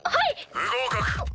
不合格。